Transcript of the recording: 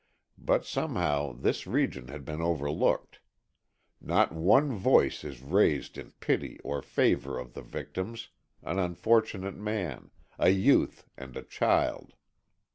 But somehow this region had been overlooked. Not one voice is raised in pity or favor of the victims, an unfortunate man, a youth and a child.